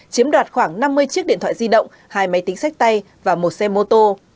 chiếm đoạt khoảng năm mươi chiếc điện thoại di động hai máy tính sách tay và một xe mô tô